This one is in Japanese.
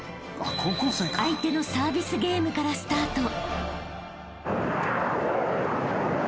［相手のサービスゲームからスタート］